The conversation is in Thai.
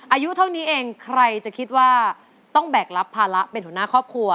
อายุเท่านี้เองใครจะคิดว่าต้องแบกรับภาระเป็นหัวหน้าครอบครัว